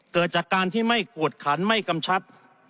เกิดจากการที่ไม่กวดขันไม่กำชับ